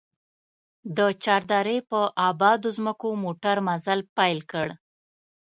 د چار درې په ابادو ځمکو موټر مزل پيل کړ.